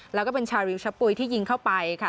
แล้วก็เป็นชาวริวชะปุ๋ยที่ยิงเข้าไปค่ะ